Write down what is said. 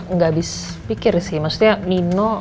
nggak bisa pikir sih maksudnya nino